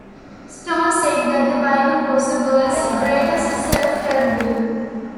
Stone said that the Bible was "the world's greatest self-help book".